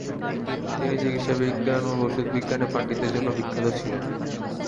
তিনি চিকিৎসাবিজ্ঞান ও ঔষধবিজ্ঞানে পাণ্ডিত্যের জন্য বিখ্যাত ছিলেন।